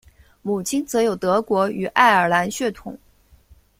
母亲则有德国与爱尔兰血统